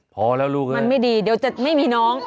พอแล้วลูกมันไม่ดีเดี๋ยวจะไม่มีน้อง